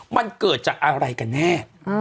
มันเกิดจากอะไรกันแน่